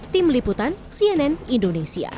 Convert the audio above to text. tim liputan cnn indonesia